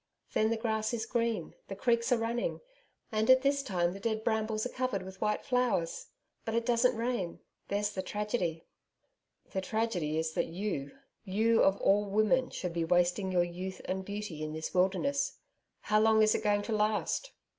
'Then the grass is green, the creeks are running, and at this time the dead brambles are covered with white flowers. But it doesn't rain. There's the tragedy.' 'The tragedy is that you you of all women should be wasting your youth and beauty in this wilderness. How long is it going to last?'